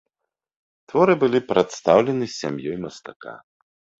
Творы былі прадастаўлены сям'ёй мастака.